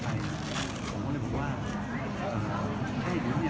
แค่ทีนี้เราของเหมือนไป